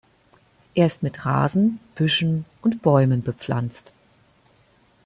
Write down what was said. Er ist mit Rasen, Büschen und Bäumen bepflanzt.